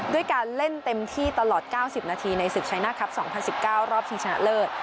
ด้วยการเล่นเต็มที่ตลอด๙๐นาทีในศึกชัยหน้าครับ๒๐๑๙รอบชิงชนะเลิศ